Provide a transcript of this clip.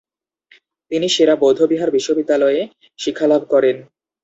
তিনি সেরা বৌদ্ধবিহার বিশ্ববিদ্যালয়ে শিক্ষালাভ করেন।